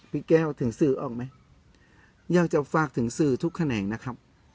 พี่แก้วถึงสื่อออกไหมอยากจะฝากถึงสื่อทุกแขนงนะครับ